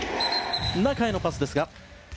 中へのパスですが。